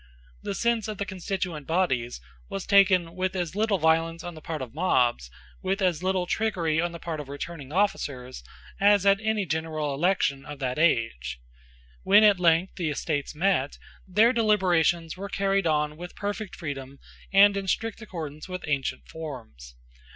The sense of the constituent bodies was taken with as little violence on the part of mobs, with as little trickery on the part of returning officers, as at any general election of that age. When at length the Estates met, their deliberations were carried on with perfect freedom and in strict accordance with ancient forms.